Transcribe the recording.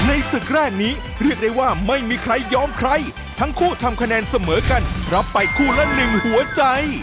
ศึกแรกนี้เรียกได้ว่าไม่มีใครยอมใครทั้งคู่ทำคะแนนเสมอกันรับไปคู่ละหนึ่งหัวใจ